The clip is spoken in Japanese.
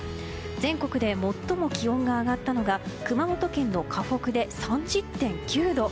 全国で最も気温が上がったのが熊本県の鹿北で３０．９度。